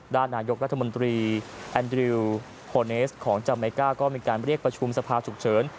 ด้านนายกรัฐมนตรีแอนดริวโฮเนสของจาเมก้าก็มีการเรียกประชุมสภาฉุกเฉิน